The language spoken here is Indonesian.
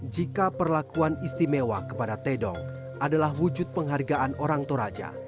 jika perlakuan istimewa kepada tedong adalah wujud penghargaan orang toraja